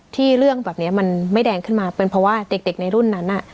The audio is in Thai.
เรื่องแบบนี้มันไม่แดงขึ้นมาเป็นเพราะว่าเด็กในรุ่นนั้น